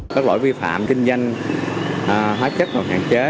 các lỗi vi phạm kinh doanh hóa chất còn hạn chế